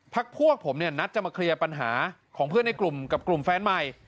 พวกผมเนี่ยนัดจะมาเคลียร์ปัญหาของเพื่อนในกลุ่มกับกลุ่มแฟนใหม่